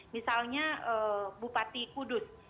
misalnya bupati kudus